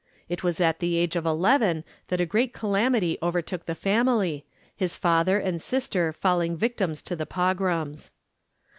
It was at the age of eleven that a great calamity overtook the family, his father and sister falling victims to the pogroms.